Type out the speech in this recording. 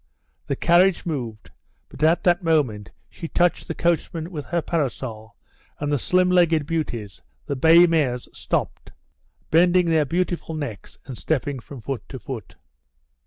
The carriage moved, but at that moment she touched the coachman with her parasol and the slim legged beauties, the bay mares, stopped, bending their beautiful necks and stepping from foot to foot.